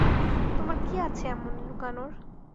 তোমার কি আছে এমন লুকানোর?